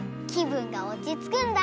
ぶんがおちつくんだ！